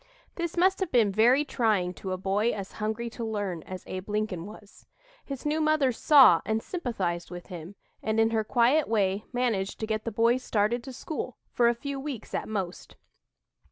This must have been very trying to a boy as hungry to learn as Abe Lincoln was. His new mother saw and sympathized with him, and in her quiet way, managed to get the boy started to school, for a few weeks at most.